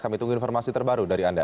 kami tunggu informasi terbaru dari anda